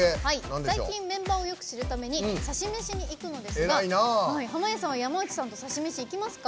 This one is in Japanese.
最近メンバーをよく知るためにサシ飯に行くのですが濱家さんは山内さんとサシ飯、行きますか？